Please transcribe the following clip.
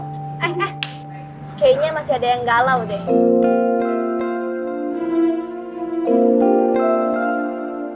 eh kayaknya masih ada yang galau deh